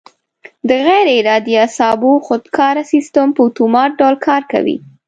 د غیر ارادي اعصابو خودکاره سیستم په اتومات ډول کار کوي.